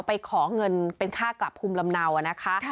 ไปขอเงินเป็นค่ากลับภูมิลำเนานะคะ